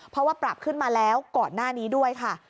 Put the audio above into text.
เพราะว่าปรับขึ้นมาแล้วก่อนหน้านี้ด้วยค่ะ